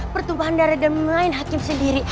pertumpahan darah dan main hakim sendiri